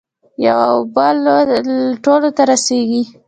یوه اوبه ټولو ته رسیږي.